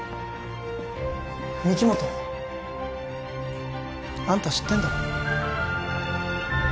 御木本あんた知ってんだろ？